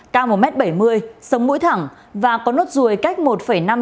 căng một m bảy mươi sống mũi thẳng và có nốt ruồi cách một cm